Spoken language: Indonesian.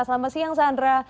selamat siang sandra